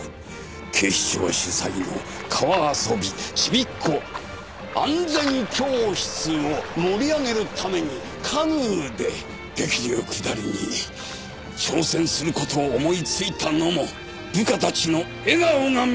警視庁主催の「川遊びちびっこ安全教室」を盛り上げるためにカヌーで激流下りに挑戦する事を思いついたのも部下たちの笑顔が見たい！